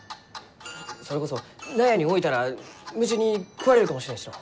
それこそ納屋に置いたら虫に食われるかもしれんしの。